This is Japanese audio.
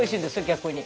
逆に。